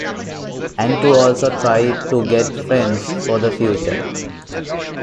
And to also try to get friends for the future.